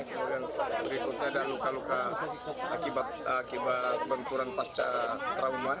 kemudian berikutnya ada luka luka akibat benturan pasca trauma